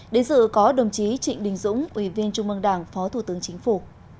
đến dự có đồng chí trịnh đình dũng ủy viên trung mương đảng phó thủ tướng chính phủ